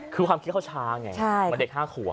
คือความคิดเขาช้าไงมันเด็ดห้าขัว